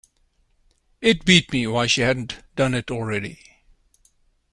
It beat me why she hadn't done it already.